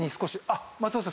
松尾さん